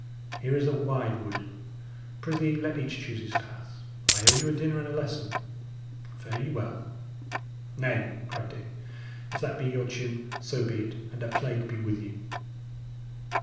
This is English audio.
Here is a wide wood; prithee, let each choose his path; I owe you a dinner and a lesson. Fare ye well!" "Nay," cried Dick, "if that be your tune, so be it, and a plague be with you!"